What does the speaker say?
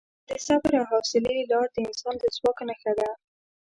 د صبر او حوصلې لار د انسان د ځواک نښه ده.